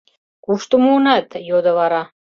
— Кушто муынат? — йодо вара.